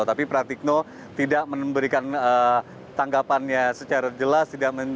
tapi pratikno tidak memberikan tanggapannya secara jelas